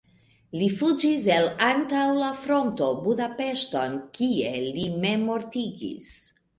Li fuĝis el antaŭ de fronto Budapeŝton, kie li memmortigis.